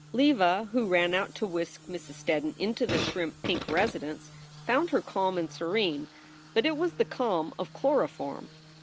Leva, who ran out to whisk Mrs. Steddon into the shrimp pink residence, found her calm and serene. But it was the calm of chloroform.